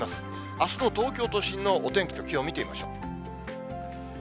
あすの東京都心のお天気と気温見てみましょう。